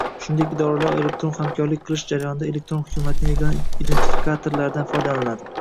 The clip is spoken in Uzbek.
shuningdek idoralararo elektron hamkorlik qilish jarayonida elektron hukumatning yagona identifikatorlaridan foydalaniladi.